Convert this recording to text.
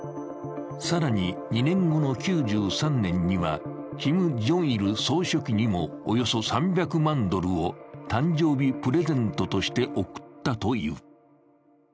更に、２年後の９３年にはキム・ジョンイル総書記にもおよそ３００万ドルを誕生日プレゼントとして贈ったという。